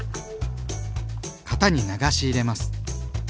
型に流し入れます。